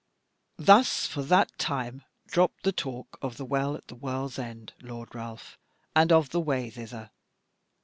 "Thus for that time dropped the talk of the Well at the World's End, Lord Ralph, and of the way thither.